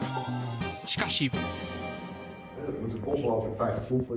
しかし。